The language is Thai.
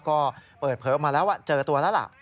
ก็เปิดเพิร์ฟมาแล้วเจอตัวแล้วล่ะ